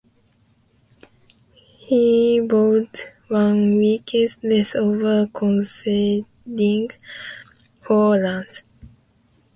He bowled one wicket-less over, conceding four runs.